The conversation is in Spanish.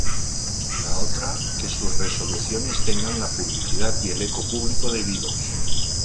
La otra que sus resoluciones tengan la publicidad y el eco público debidos.